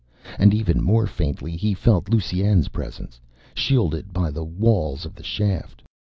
And even more faintly he felt Lusine's presence, shielded by the walls of the shaft.